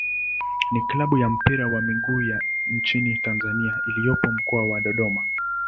ni klabu ya mpira wa miguu ya nchini Tanzania iliyopo Mkoa wa Dodoma.